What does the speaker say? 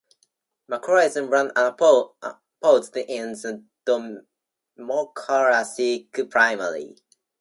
Markowitz ran unopposed in the Democratic primary.